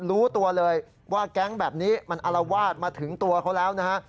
รู้ตัวเลยว่าแก๊งแบบนี้มันอารวาสมาถึงตัวเขาแล้วนะฮะ